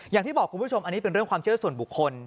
อย่างที่บอกคุณผู้ชมอันนี้เป็นเรื่องความเชื่อส่วนบุคคล